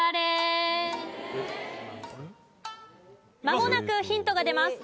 まもなくヒントが出ます。